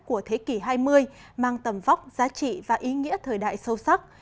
của thế kỷ hai mươi mang tầm vóc giá trị và ý nghĩa thời đại sâu sắc